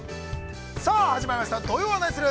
さあ始まりました「土曜はナニする！？」